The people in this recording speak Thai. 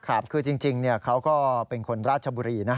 ครับคือจริงเขาก็เป็นคนราชบุรีนะ